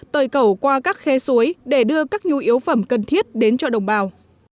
tời cầu qua các khe suối để đưa các nhu yếu phẩm cần thiết đến cho đồng bào